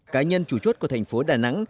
cá nhân chủ chốt của thành phố đà nẵng